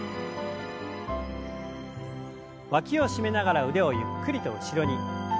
わきを締めながら腕をゆっくりと後ろに。